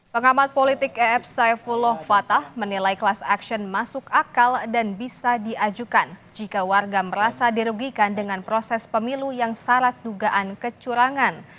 pengamat politik ef saifullah fatah menilai kelas aksion masuk akal dan bisa diajukan jika warga merasa dirugikan dengan proses pemilu yang syarat dugaan kecurangan